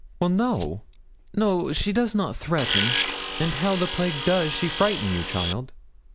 'Well, no no, she does not threaten.' 'And how the plague does she frighten you, child?'